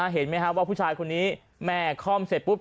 เห็นไหมครับว่าผู้ชายคนนี้แม่คล่อมเสร็จปุ๊บ